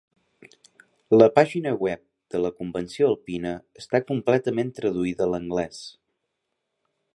La pàgina web de la Convenció Alpina està completament traduïda a l'anglès.